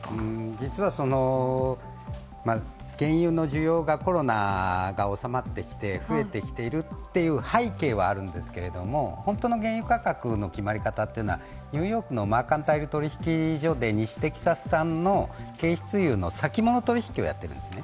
実は原油の需要がコロナが収まって増えてきているという背景はあるんですけれども、本当の原油価格の決まり方はニューヨークのマーカンタイル取引所で油の先物取引をやっているんですね。